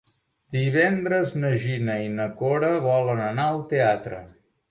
Divendres na Gina i na Cora volen anar al teatre.